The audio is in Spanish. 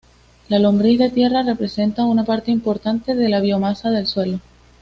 La lombriz de tierra representa una parte importante de la biomasa del suelo.